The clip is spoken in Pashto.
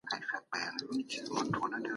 په پخوا کي داسې پرمختګ هېڅکله نه و لیدل سوی.